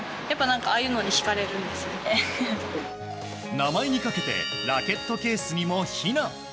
名前にかけてラケットケースにも、ひな。